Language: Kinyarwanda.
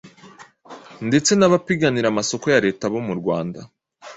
ndetse n’abapiganira amasoko ya Leta bo mu Rwanda.